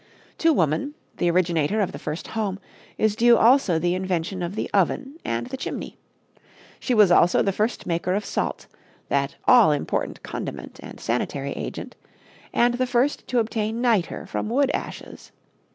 To woman, the originator of the first home, is due also the invention of the oven and the chimney. She was also the first maker of salt that all important condiment and sanitary agent and the first to obtain nitre from wood ashes.